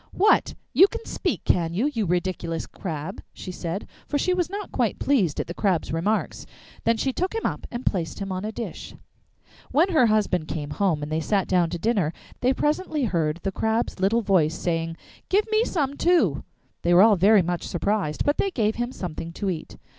'What! You can speak, can you, you ridiculous crab?' she said, for she was not quite pleased at the Crab's remarks. Then she took him up and placed him on a dish. When her husband came home and they sat down to dinner, they presently heard the Crab's little voice saying, 'Give me some too.' They were all very much surprised, but they gave him something to eat.